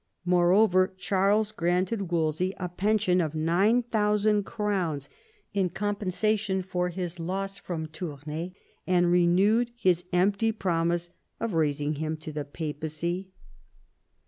Moreover, Charles granted Wolsey a pension of 9000 crowns in compensation for his loss from Tournai, and renewed his empty promise of raising him to the Papacy.